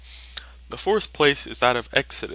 The fourth place is that of Exod.